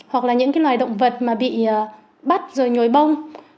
hoặc là những cái loài động vật mà bị bắt rồi nhồi bông